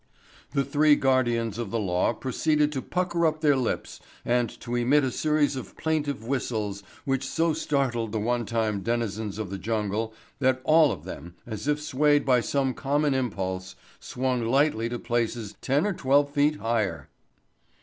The three guardians of the law proceeded to pucker up their lips and to emit a series of plaintive whistles which so startled the one time denizens of the jungle that all of them, as if swayed by some common impulse, swung lightly to places ten or twelve feet higher.